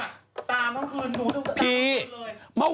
การเปลี่ยน